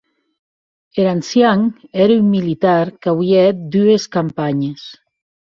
Er ancian ère un militar qu'auie hèt dues campanhes.